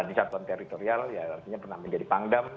di satuan teritorial ya artinya pernah menjadi pangdam